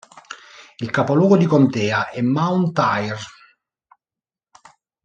Il capoluogo di contea è Mount Ayr.